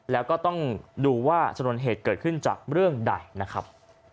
แล้วก็ต้องดูว่าชนวนเหตุเกิดขึ้นจากเรื่องใดนะครับ